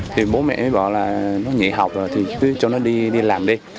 thì bố mẹ mới bảo là nó nghỉ học rồi thì cứ cho nó đi làm đi